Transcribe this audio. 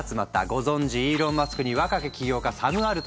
ご存じイーロン・マスクに若き起業家サム・アルトマン。